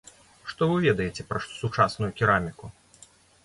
Што вы ведаеце пра сучасную кераміку?